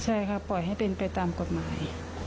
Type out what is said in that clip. ใช่ค่ะปล่อยให้เป็นไปตามกฎหมาย